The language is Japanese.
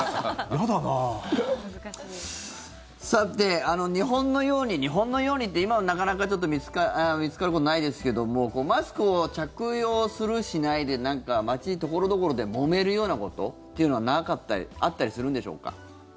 さて、日本のように日本のようにって今はなかなか見つかることはないですけどマスクを着用するしないで街所々で、もめるようなことってあったりするのでしょうか。